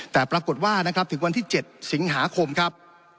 แต่ปรากฏว่านะครับถึงวันที่๗สิงหาคมครับ